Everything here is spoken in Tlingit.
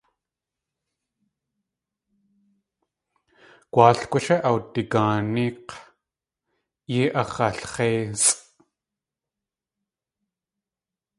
Gu.aal kwshé awdagaaník̲, yéi ax̲alx̲éisʼ.